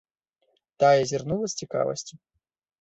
Тая зірнула з цікавасцю.